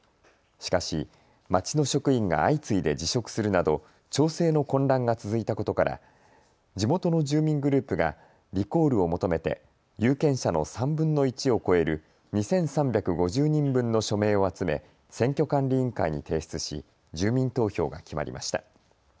しかし町の職員が相次いで辞職するなど町政の混乱が続いたことから地元の住民グループがリコールを求めて有権者の３分の１を超える２３５０人分の署名を集め選挙管理委員会に提出し住民投票が決まりました。